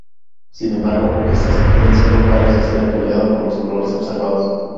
Sin embargo, esta sugerencia no parece ser apoyada por los colores observados.